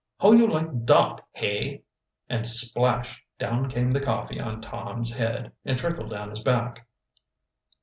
"How you like dot, hey!" And splash! down came the coffee on Tom's head, and trickled down his back.